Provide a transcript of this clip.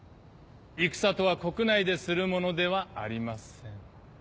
戦とは国内でするものではありません。